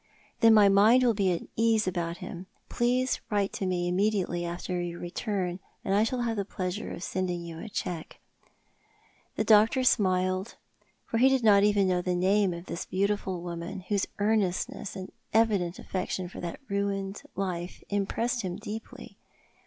" Then my mind will be at ease about him. Please write to me immediately after your return, and I shall have the pleasure of sending you a cheque." The doctor smiled, for he did not know even the name of this beautiful woman, whose earnestness and evident affection for that ruined life impressed him deeply.